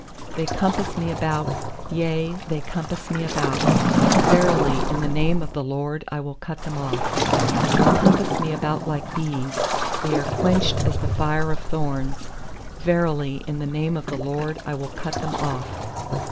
uThey compass me about, yea, they compass me about; Verily, in the name of the LORD I will cut them off. 12They compass me about like bees; , They are quenched as the fire of thorns; Verily, in the name of the LORD I will cut them off.